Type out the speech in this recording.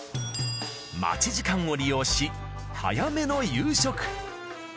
待ち時間を利用し早めの夕食。